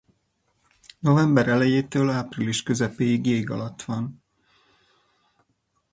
November elejétől április közepéig jég alatt van.